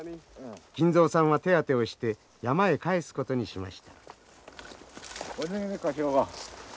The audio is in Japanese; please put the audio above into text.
金蔵さんは手当てをして山へ帰すことにしました。